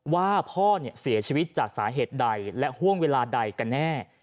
ว่าพ่อเสียชีวิตจากสาเหตุใดและห่วงเวลาใดกันแน่